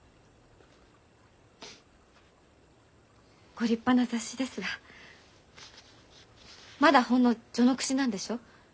ご立派な雑誌ですがまだほんの序の口なんでしょ？